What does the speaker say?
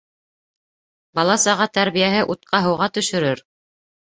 Бала-саға тәрбиәһе утҡа-һыуға төшөрөр.